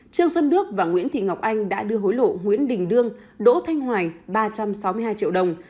trương xuân đức và nguyễn thị ngọc anh đã đưa hối lộ nguyễn đình đương đỗ thanh hoài ba trăm sáu mươi hai triệu đồng